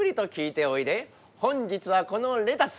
本日はこのレタス。